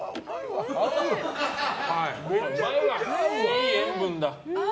いい塩分だ。